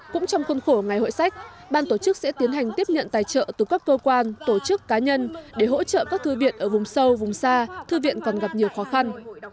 cũng trong khuôn khổ ngày hội sách ban tổ chức sẽ tiến hành tiếp nhận tài trợ từ các cơ quan tổ chức cá nhân để hỗ trợ các thư viện ở vùng sâu vùng xa thư viện còn gặp nhiều khó khăn